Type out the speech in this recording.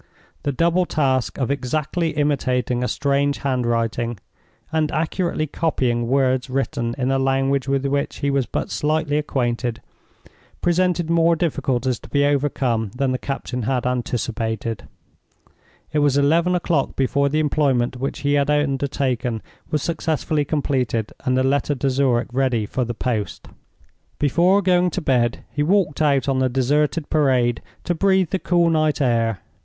The double task of exactly imitating a strange handwriting, and accurately copying words written in a language with which he was but slightly acquainted, presented more difficulties to be overcome than the captain had anticipated. It was eleven o'clock before the employment which he had undertaken was successfully completed, and the letter to Zurich ready for the post. Before going to bed, he walked out on the deserted Parade to breathe the cool night air.